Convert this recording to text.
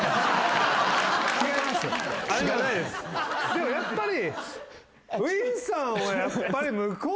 でもやっぱり。